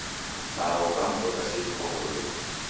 Malagho ghamdoka sejhi koghorieghe